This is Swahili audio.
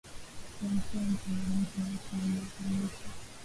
chemsha mchanganyiko wako wa viazi lishe